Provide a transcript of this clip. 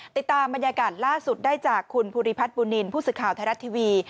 ติดตามบรรยากาศล่าสุดได้จากคุณภูริพัฒน์บุญนินทร์ผู้สื่อข่าวไทยรัฐทีวี